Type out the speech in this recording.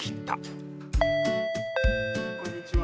・こんにちは。